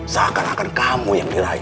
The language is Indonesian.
seakan akan kamu yang diraih